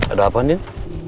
ada apa undin